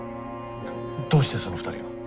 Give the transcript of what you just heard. どうしてその２人が？